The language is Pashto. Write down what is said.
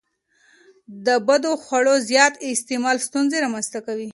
د بدخواړو زیات استعمال ستونزې رامنځته کوي.